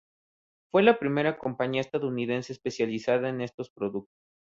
Fue la primera compañía estadounidense especializada en estos productos.